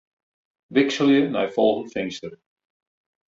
Wikselje nei folgjend finster.